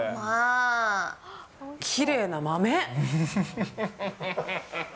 きれいな豆。